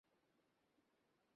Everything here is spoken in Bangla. পাহাড়ের উপর নক্ষত্ররায়ের শিবির।